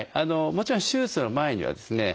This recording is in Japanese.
もちろん手術の前にはですね